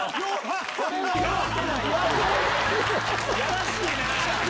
やらしいな！